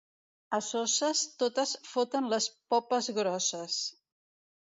A Soses, totes foten les popes grosses.